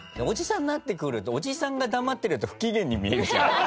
おじさんになってくるとおじさんが黙ってると不機嫌に見えるじゃん。